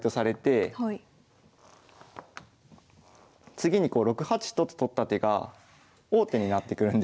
次に６八と金と取った手が王手になってくるんですよ。